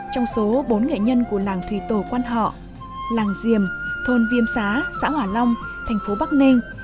trong số bốn nghệ nhân của làng thủy tổ quan họ làng diềm thôn viêm xá xã hòa long thành phố bắc ninh